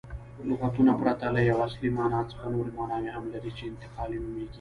لغتونه پرته له یوې اصلي مانا څخه نوري ماناوي هم لري، چي انتقالي نومیږي.